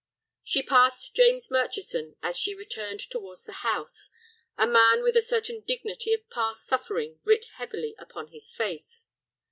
She passed James Murchison as she returned towards the house, a man with a certain dignity of past suffering writ heavily upon his face.